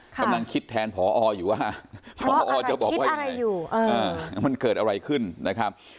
กำลังคิดแทนพออยู่ว่าพอจะบอกว่ายังไงมันเกิดอะไรขึ้นนะครับ